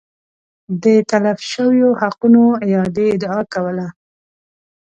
د تلف شویو حقونو اعادې ادعا کوله